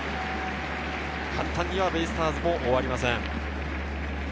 簡単はベイスターズも終わりません。